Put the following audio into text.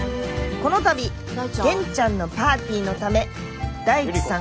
この度元ちゃんのパーティーのため大地さん